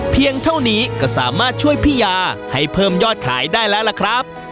เพียงเท่านี้ก็สามารถช่วยพี่ยาให้เพิ่มยอดขายได้แล้วล่ะครับ